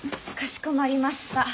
かしこまりました。